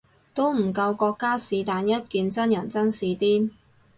都唔夠國家是但一件真人真事癲